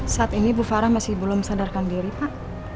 saat ini bu farah masih belum sadarkan diri pak